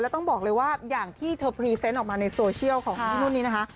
ต้องบอกเลยว่าอย่างที่เธอพรีเซนต์ออกมาในโซเชียลของพี่นุ่นนี้นะคะ